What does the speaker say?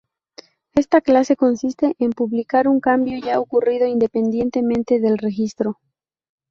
Esta clase consiste en publicar un cambio ya ocurrido, independientemente del registro.